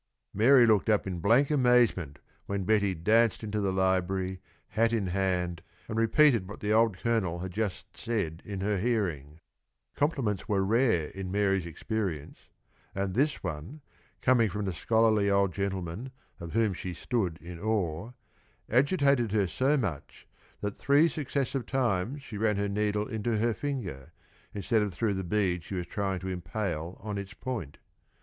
Mary looked up in blank amazement when Betty danced into the library, hat in hand, and repeated what the old Colonel had just said in her hearing. Compliments were rare in Mary's experience, and this one, coming from the scholarly old gentleman of whom she stood in awe, agitated her so much that three successive times she ran her needle into her finger, instead of through the bead she was trying to impale on its point.